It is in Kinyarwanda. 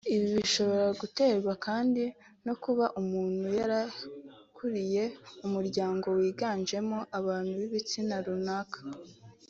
Ibi bishobora guterwa kandi no kuba umuntu yarakuriye mu muryango wiganjemo abantu b’igitsina runaka